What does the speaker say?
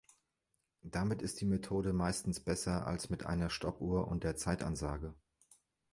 Damit ist die Methode meistens besser als mit einer Stoppuhr und der Zeitansage.